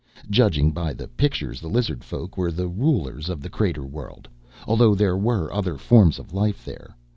Judging by the pictures the lizard folk were the rulers of the crater world, although there were other forms of life there.